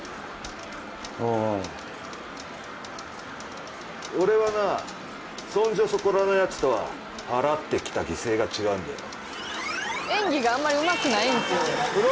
はあ俺はなそんじょそこらのヤツとは払ってきた犠牲が違うんだよ